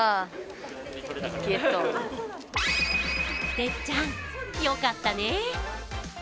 てっちゃん、よかったねえ。